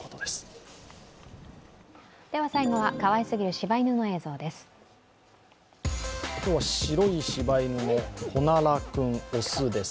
最後は、かわいすぎる柴犬の映像です。